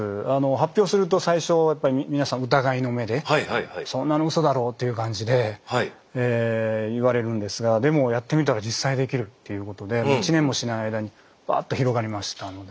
発表すると最初やっぱり皆さん疑いの目でそんなのウソだろうという感じで言われるんですがでもやってみたら実際できるということで１年もしない間にバーッと広がりましたので。